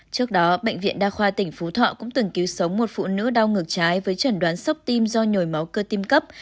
trước đó bệnh viện đa khoa tỉnh phú thọ cũng từng cứu sống một phụ nữ đau ngược trái với trần đoán sốc tim do nhồi máu cơ tim cấp